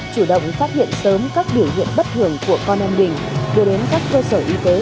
chủ động phát hiện sớm các điều nghiện bất thường của con em đình đưa đến các cơ sở y tế